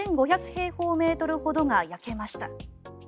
平方メートルほどが焼けました。